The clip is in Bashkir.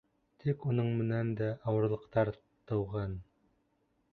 Тик уның менән дә ауырлыҡтар тыуған.